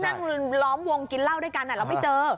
เรามันร้อมวงกินเหล้าด้วยกันอะเราไม่เจอ